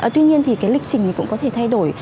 tuy nhiên thì cái lịch trình cũng có thể thay đổi